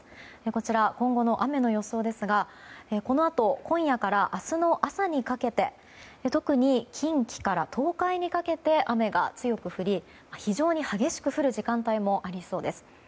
こちら、今後の雨の予想ですがこのあと今夜から明日の朝にかけて特に、近畿から東海にかけて雨が強く降り、非常に激しく降る時間帯もありそうです。